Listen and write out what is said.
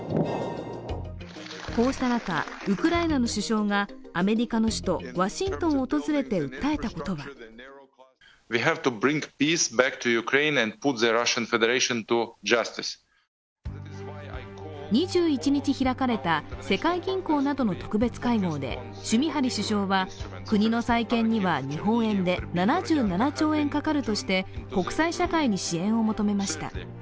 こうした中、ウクライナの首相がアメリカの首都ワシントンを訪れて訴えたことは２１日、開かれた世界銀行などの特別会合でシュミハリ首相は、国の再建には日本円で７７兆円かかるとして国際社会に支援を求めました。